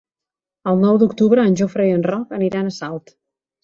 El nou d'octubre en Jofre i en Roc aniran a Salt.